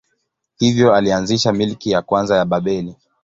Hivyo alianzisha milki ya kwanza ya Babeli.